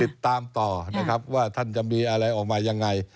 ติดตามต่อนะครับว่าท่านจะมีอะไรออกมายังไง